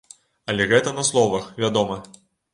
Але гэта на словах, вядома.